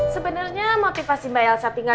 sebenarnya motivasi mbak elsa tinggal